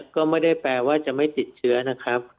ก็ไม่ได้แปลว่าจะไม่ติดเชื้อนะครับ